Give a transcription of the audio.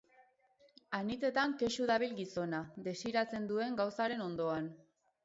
Anitzetan kexu dabil gizona, desiratzen duen gauzaren ondoan.